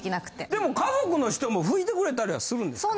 でも家族の人も拭いてくれたりはするんですか？